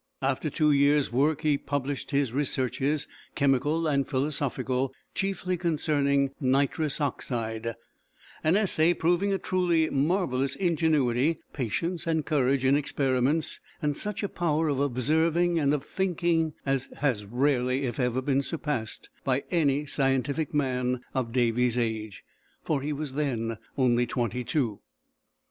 After two years' work he published his Researches, Chemical and Philosophical, chiefly concerning Nitrous Oxide, an essay proving a truly marvelous ingenuity, patience, and courage in experiments, and such a power of observing and of thinking as has rarely if ever been surpassed by any scientific man of Davy's age; for he was then only twenty two.